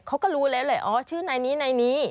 เขาก็รู้แล้วแหละชื่อในนี้ในนี้